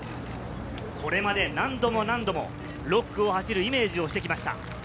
これまで何度も何度も６区を走るイメージをしてきました。